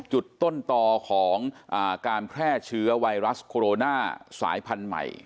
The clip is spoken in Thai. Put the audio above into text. จุดต้นต่อของการแพร่เชื้อไวรัสโคโรนาสายพันธุ์ใหม่